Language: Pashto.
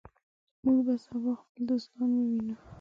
موږ به سبا خپل دوستان ووینو.